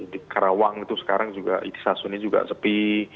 di karawang itu sekarang juga ini sasunnya juga sepi